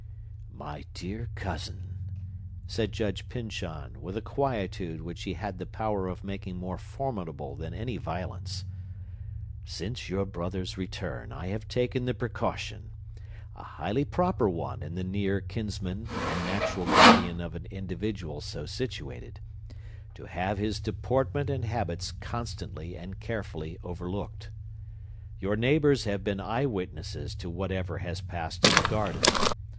"My dear cousin," said Judge Pyncheon, with a quietude which he had the power of making more formidable than any violence, "since your brother's return, I have taken the precaution (a highly proper one in the near kinsman and natural guardian of an individual so situated) to have his deportment and habits constantly and carefully overlooked. Your neighbors have been eye witnesses to whatever has passed in the garden.